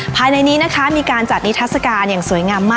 ภายในนี้นะคะมีการจัดนิทัศกาลอย่างสวยงามมาก